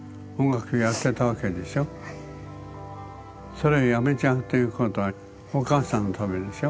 それをやめちゃうということはお母さんのためでしょ。